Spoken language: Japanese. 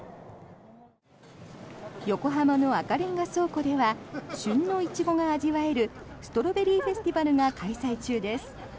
横浜の赤レンガ倉庫では旬のイチゴが味わえるストロベリーフェスティバルが開催中です。